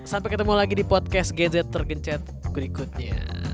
sampai ketemu lagi di podcast gadget tergencet berikutnya